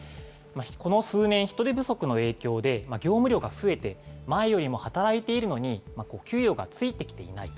この数年、人手不足の影響で業務量が増えて、前よりも働いているのに、給与がついてきていないと。